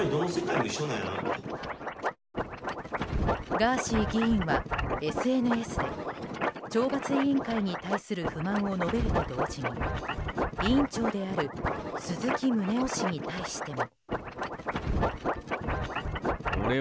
ガーシー議員はＳＮＳで懲罰委員会に対する不満を述べると同時に委員長である鈴木宗男氏に対しても。